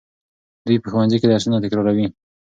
دوی په ښوونځي کې درسونه تکراروي.